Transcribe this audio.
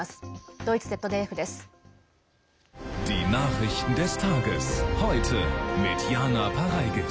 ドイツＺＤＦです。